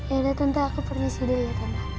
yaudah tante aku permisi dulu ya tante